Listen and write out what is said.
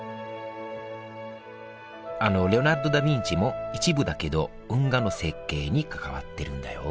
あのレオナルド・ダ・ヴィンチも一部だけど運河の設計に関わってるんだよ